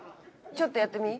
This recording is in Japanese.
ちょっとやってみ？